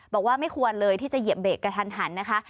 บอกว่าไม่ควรเลยที่จะเหยียบเบรกกระทันหันนะคะ